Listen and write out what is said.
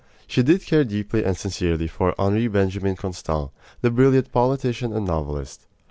She did care deeply and sincerely for Henri Benjamin Constant, the brilliant politician and novelist.